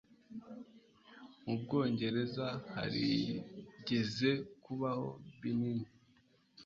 mu bwongereza harigeze kubaho binini